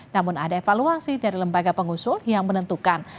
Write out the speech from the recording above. namun ada evaluasi dari lembaga pengusul yang menentukan